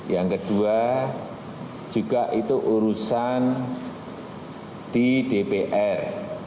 yang kedua juga itu urusan di dpr